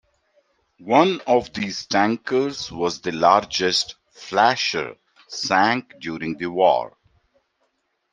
One of these tankers was the largest "Flasher" sank during the war.